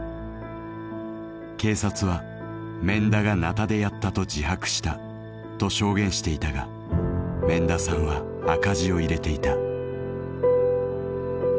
警察は「免田が鉈でやったと自白した」と証言していたが免田さんは赤字を入れていた。